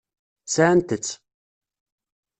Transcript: Sɛant-tt.